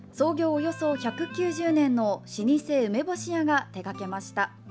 およそ１９０年の老舗梅干し屋が手掛けました。